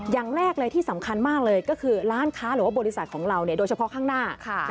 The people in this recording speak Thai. อย่างแรกเลยที่สำคัญมากเลยก็คือร้านค้าหรือว่าบริษัทของเราเนี่ยโดยเฉพาะข้างหน้า